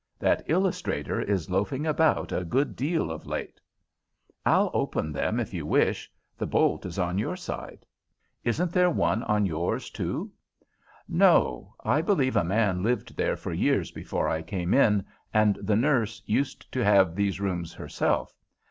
That illustrator is loafing about a good deal of late." "I'll open them, if you wish. The bolt is on your side." "Isn't there one on yours, too?" "No. I believe a man lived there for years before I came in, and the nurse used to have these rooms herself.